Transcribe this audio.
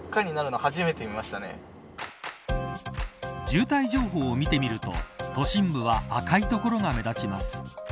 渋滞情報を見てみると都心部は赤い所が目立ちます。